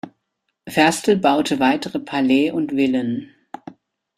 Ferstel baute weitere Palais und Villen.